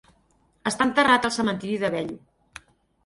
Està enterrat al cementiri de Bellu.